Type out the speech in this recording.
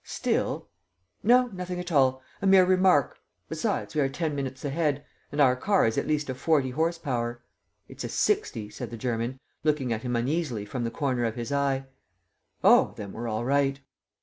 "Still. ..." "No, nothing at all ... a mere remark. ... Besides, we are ten minutes ahead ... and our car is at least a forty horse power." "It's a sixty," said the German, looking at him uneasily from the corner of his eye. "Oh, then we're all right!"